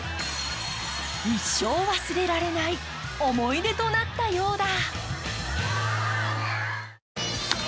一生忘れられない思い出となったようだ。